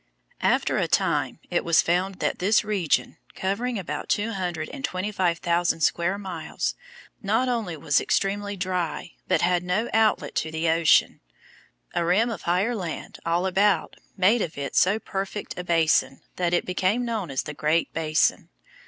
After a time it was found that this region, covering about two hundred and twenty five thousand square miles, not only was extremely dry, but had no outlet to the ocean. A rim of higher land all about made of it so perfect a basin that it became known as the Great Basin.